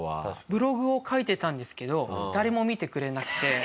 ブログを書いてたんですけど誰も見てくれなくて。